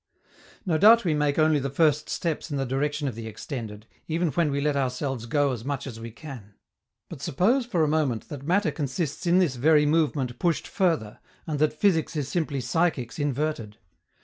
No doubt we make only the first steps in the direction of the extended, even when we let ourselves go as much as we can. But suppose for a moment that matter consists in this very movement pushed further, and that physics is simply psychics inverted.